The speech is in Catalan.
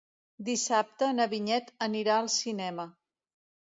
Dissabte na Vinyet anirà al cinema.